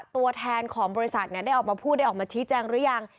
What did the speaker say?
ตัวแทนของบริษัทได้ออกมาพูดได้ออกมาชี้แจงหรือยัง